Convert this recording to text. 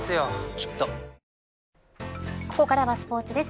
きっとここからはスポーツです。